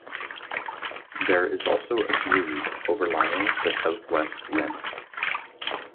There is also a groove overlying the southwest rim.